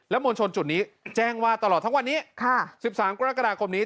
มวลชนจุดนี้แจ้งว่าตลอดทั้งวันนี้๑๓กรกฎาคมนี้